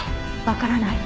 わからない。